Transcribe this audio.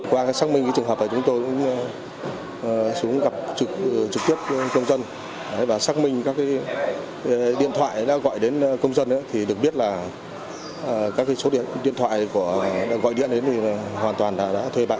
qua xác minh trường hợp là chúng tôi cũng xuống gặp trực tiếp công dân và xác minh các điện thoại đã gọi đến công dân thì được biết là các số điện thoại gọi điện đến thì hoàn toàn là đã thuê bạn